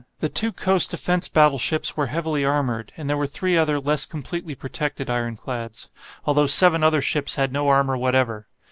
The two coast defence battleships were heavily armoured, and there were three other less completely protected ironclads, although seven other ships had no armour whatever.